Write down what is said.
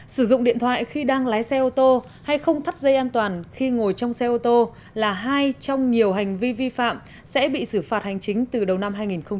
sử dụng điện thoại khi đang lái xe ô tô hay không thắt dây an toàn khi ngồi trong xe ô tô là hai trong nhiều hành vi vi phạm sẽ bị xử phạt hành chính từ đầu năm hai nghìn hai mươi